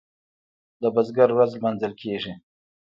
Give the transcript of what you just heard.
د بزګر ورځ لمانځل کیږي.